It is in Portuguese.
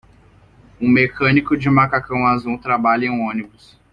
Um mecânico de macacão azul trabalha em um ônibus.